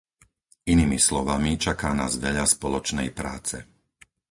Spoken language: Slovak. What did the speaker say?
Inými slovami, čaká nás veľa spoločnej práce.